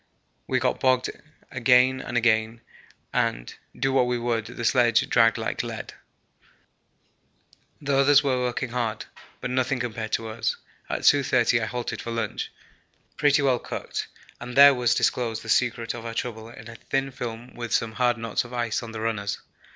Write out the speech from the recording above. We got bogged again and again, and, do what we would, the sledge dragged like lead. The others were working hard but nothing to be compared to us. At 2.30 I halted for lunch, pretty well cooked, and there was disclosed the secret of our trouble in a thin film with some hard knots of ice on the runners.